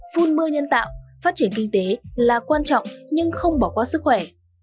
phun mưa nhân tạo phát triển kinh tế là quan trọng nhưng không bỏ qua sức khỏe